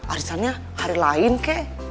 arisannya hari lain ke